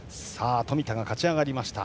冨田が勝ち上がりました。